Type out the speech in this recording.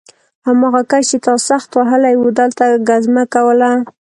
هماغه کس چې تا سخت وهلی و دلته ګزمه کوله